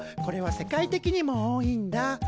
これは世界的にも多いんだ。